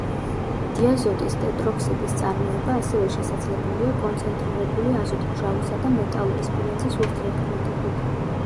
დიაზოტის ტეტროქსიდის წარმოება ასევე შესაძლებელია კონცენტრირებული აზოტმჟავისა და მეტალური სპილენძის ურთიერთქმედებით.